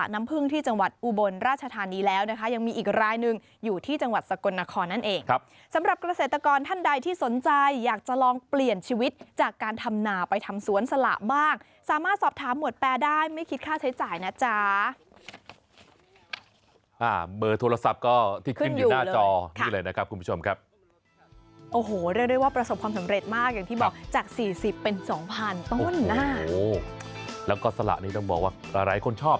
นั่นเองสำหรับเกษตรกรท่านใดที่สนใจอยากจะลองเปลี่ยนชีวิตจากการทำหนาไปทำสวนสละมากสามารถสอบถามหมวดแปรได้ไม่คิดค่าใช้จ่ายนะจ๊ะเมอร์โทรศัพท์ก็ที่ขึ้นอยู่หน้าจอนี่เลยนะครับคุณผู้ชมครับโอ้โหเรียกได้ว่าประสบความสำเร็จมากอย่างที่บอกจาก๔๐เป็น๒๐๐๐ต้นแล้วก็สละนี้ต้องบอกว่าหลายคนชอบ